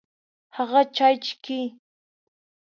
هغه چای چیکي.